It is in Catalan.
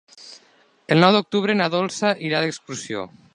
El nou d'octubre na Dolça irà d'excursió.